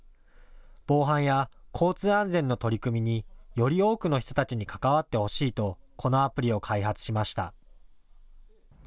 防犯や交通安全の取り組みにより多くの人たちに関わってほしいとこのアプリを開発しました。